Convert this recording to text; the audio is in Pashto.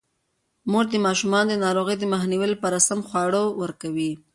مور د ماشومانو د ناروغۍ د مخنیوي لپاره سم خواړه ورکوي.